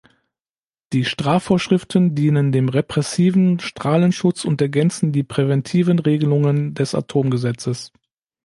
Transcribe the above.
Die Strafvorschriften dienen dem repressiven Strahlenschutz und ergänzen die präventiven Regelungen des Atomgesetzes.